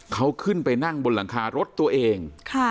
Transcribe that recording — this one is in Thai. เขาขึ้นไปนั่งบนหลังคารถตัวเอง